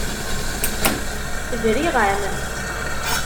Briɣ-am.